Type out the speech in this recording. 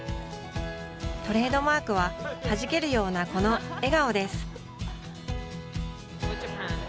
トレードマークははじけるような、この笑顔です。